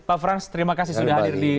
pak frans terima kasih sudah hadir di